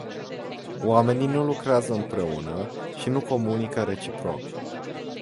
Oamenii nu lucrează împreună și nu comunică reciproc.